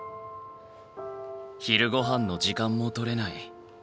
昼ごはんの時間も取れない。